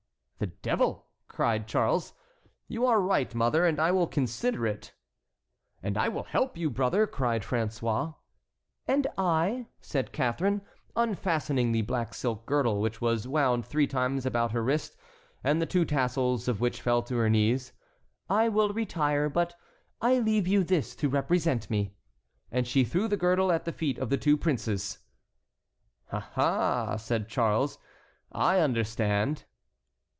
"The devil!" cried Charles, "you are right, mother, and I will consider it." "I will help you, brother," cried François. "And I," said Catharine, unfastening the black silk girdle which was wound three times about her waist, and the two tassels of which fell to her knees. "I will retire, but I leave you this to represent me." And she threw the girdle at the feet of the two princes. "Ah! ah!" said Charles, "I understand."